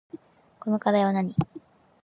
この課題はなに